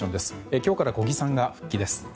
今日から小木さんが復帰です。